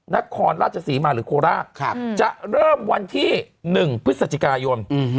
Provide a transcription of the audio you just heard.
นครราชศรีมาหรือโคราชจะเริ่มวันที่๑พฤศจิกายน